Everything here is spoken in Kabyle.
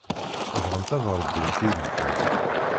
Bɣant ad ṛebbint ibekki.